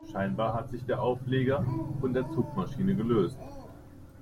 Scheinbar hat sich der Auflieger von der Zugmaschine gelöst.